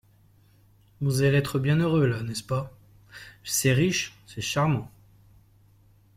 Vous allez être bien heureux, là, n'est-ce pas ? C'est riche, c'est charmant.